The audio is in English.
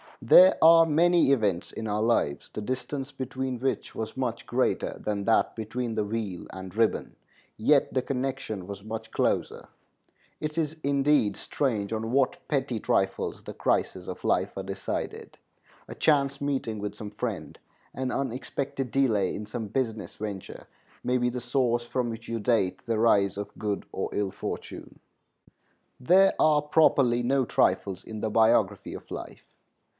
There are many events in our lives, the distance between which was much greater than that between the wheel and ribbon, yet the connection was much closer. It is, indeed, strange on what petty trifles the crises of life are decided. A chance meeting with some friend, an unexpected delay in some business venture, may be the source from which you date the rise of good or ill fortune. There are properly no trifles in the biography of life.